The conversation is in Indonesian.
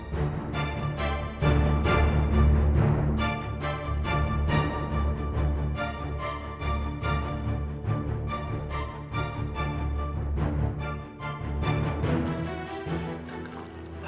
aku gak pernah mencintai istri